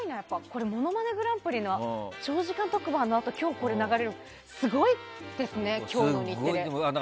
これ、「ものまねグランプリ」の長時間特番のあと今日これが流れるってすごいですね今日の日テレ。